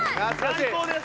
最高です！